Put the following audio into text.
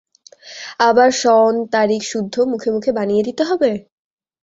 আবার সন-তারিখ-সুদ্ধ মুখে মুখে বানিয়ে দিতে হবে?